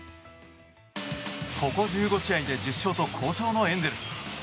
ここ１５試合で１０勝と好調のエンゼルス。